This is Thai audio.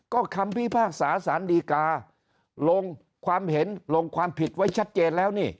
ก็คำพิพากษาสารดีกาลงความเห็นลงความผิดไว้ชัดเจนแล้วนี่